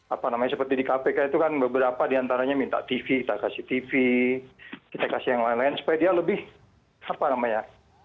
apa namanya seperti di kpk itu kan beberapa diantaranya minta tv kita kasih tv kita kasih yang lain lain supaya dia lebih apa namanya